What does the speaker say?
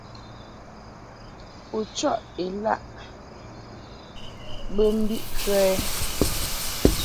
U chɔʼ ilɛ bə mbiʼ kə ?